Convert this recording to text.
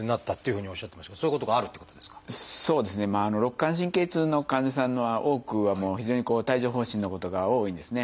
肋間神経痛の患者さんの多くは非常に帯状疱疹のことが多いんですね。